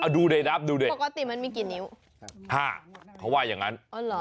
ดูดิับดูดิปกติมันมีกี่นิ้วห้าเขาว่าอย่างนั้น